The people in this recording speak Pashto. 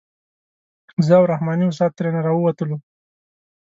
زه او رحماني استاد ترېنه راووتلو.